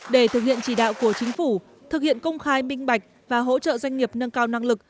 để thực hiện chỉ đạo của chính phủ thực hiện công khai minh bạch và hỗ trợ doanh nghiệp nâng cao năng lực